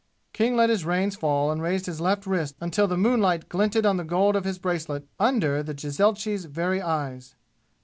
King let his reins fall and raised his left wrist until the moonlight glinted on the gold of his bracelet under the jezailchi's very eyes.